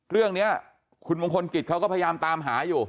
เรื่องนี้คุณมงคลกิจเขาก็พยายามตามหาอยู่